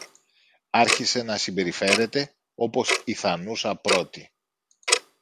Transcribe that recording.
άρχισε να συμπεριφέρεται όπως η θανούσα πρώτη.